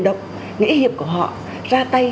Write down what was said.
đọc nghĩa hiệp của họ ra tay